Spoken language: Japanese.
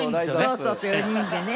そうそうそう４人でね。